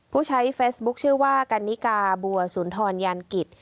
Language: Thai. ผู้ใช้เฟซบุ๊คชื่อว่ากันนิกาบัวสุนทรยันกิจ